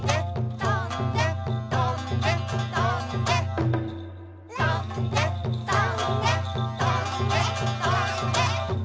とんでとんでとんでとんで！